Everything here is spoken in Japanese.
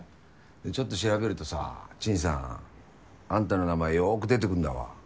ちょっと調べるとさ陳さんあんたの名前よく出てくんだわ。